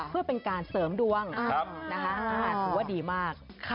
เพื่อเป็นการเสริมดวงถือว่าดีมาก